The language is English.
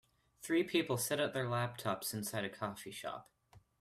Three people sit at their laptops inside a coffee shop.